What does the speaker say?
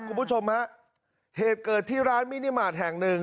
คุณผู้ชมฮะเหตุเกิดที่ร้านมินิมาตรแห่งหนึ่ง